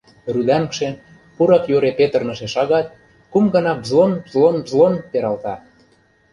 Рӱдаҥше, пурак йӧре петырныше шагат, кум гана бзлон, бзлон, бзлон пералта.